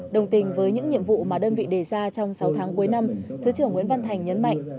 đồng tình với những nhiệm vụ mà đơn vị đề ra trong sáu tháng cuối năm thứ trưởng nguyễn văn thành nhấn mạnh